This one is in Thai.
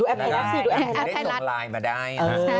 สุดได้ส่งออนไลน์มาได้